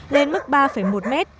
lên mức ba một mét